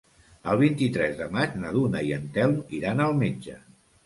El vint-i-tres de maig na Duna i en Telm iran al metge.